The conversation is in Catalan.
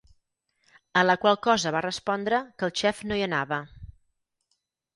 A la qual cosa va respondre que el xef no hi anava.